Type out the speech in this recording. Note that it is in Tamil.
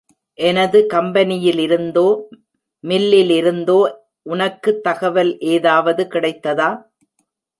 எனது கம்பெனியிலிருந்தோ, மில்லிருந்தோ உனக்கு தகவல் ஏதாவது கிடைத்ததா?